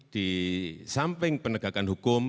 di samping penegakan hukum